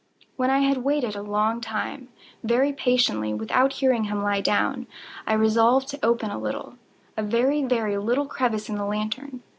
When I had waited a long time, very patiently, without hearing him lie down, I resolved to open a little—a very, very little crevice in the lantern.